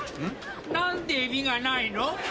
何でエビがないの？